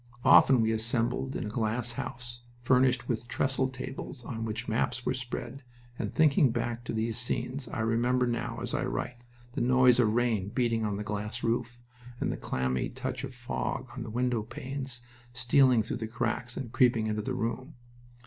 Often we assembled in a glass house, furnished with trestle tables on which maps were spread, and, thinking back to these scenes, I remember now, as I write, the noise of rain beating on that glass roof, and the clammy touch of fog on the window panes stealing through the cracks and creeping into the room.